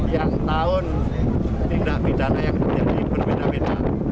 yang tahun tindak bidana yang menjadi berbeda beda